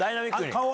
顔。